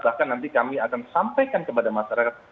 bahkan nanti kami akan sampaikan kepada masyarakat